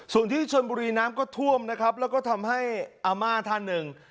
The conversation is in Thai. ส่วนที่ชนบุรีน้ำก็ท่วมนะครับแล้วก็ทำให้อาม่าท่านหนึ่ง